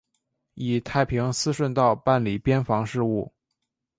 以太平思顺道办理边防事务。